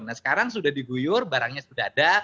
nah sekarang sudah diguyur barangnya sudah ada